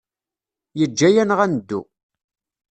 Yeǧǧa-aneɣ ad neddu.